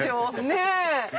ねえ！